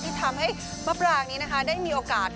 ที่ทำให้มะปรางนี้นะคะได้มีโอกาส